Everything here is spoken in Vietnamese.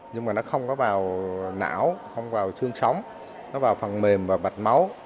nhưng mà nó không có vào não không vào thương sống nó vào phần mềm và bạch máu